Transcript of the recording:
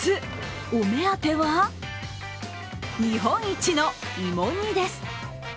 お目当ては日本一の芋煮です。